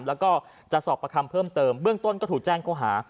แล้วก็จะสอบประคำเพิ่มเติมเบื้องต้นก็ถูกแจ้งเขาหา